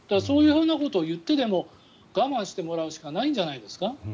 そういうふうなことを言ってでも我慢してもらうしかないんじゃないですか。